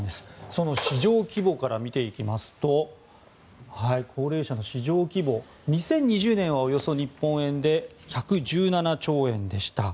その市場規模から見ていきますと高齢者の市場規模、２０２０年はおよそ日本円で１１７兆円でした。